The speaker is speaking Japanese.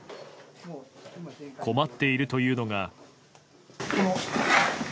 困っているというのが。